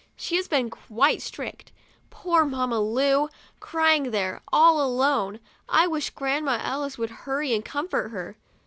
She has been quite strict. Poor Mamma Lu! crying in there, all alone. I wish Grandma Ellis would hurry and comfort her.